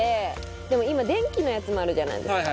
でも、今、電気のやつもあるじゃないですか。